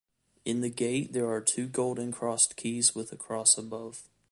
In the gate there are two golden crossed keys with a cross above.